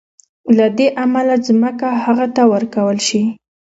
له دې امله ځمکه هغه ته ورکول شي.